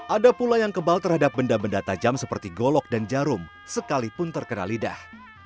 ada pula yang kebal terhadap benda benda tajam seperti golok dan jarum sekalipun terkena lidah